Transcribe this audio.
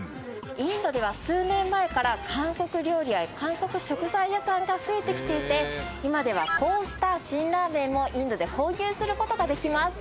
インドでは数年前から韓国料理や韓国食材屋さんが増えてきていて今ではこうした辛ラーメンもインドで購入することができます